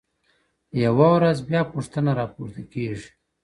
يوه ورځ بيا پوښتنه راپورته کيږي,